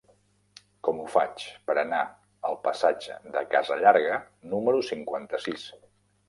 Com ho faig per anar al passatge de Casa Llarga número cinquanta-sis?